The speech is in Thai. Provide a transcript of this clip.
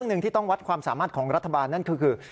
หนึ่งที่ต้องวัดความสามารถของรัฐบาลนั่นก็คือ